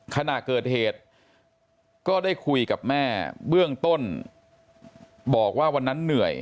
ขณะเกิดเหตุก็ได้คุยกับแม่เบื้องต้นบอกว่าวันนั้นเหนื่อย